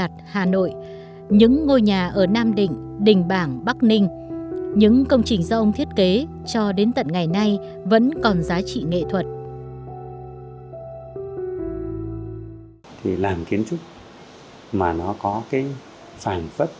thì làm kiến trúc mà nó có cái phản phất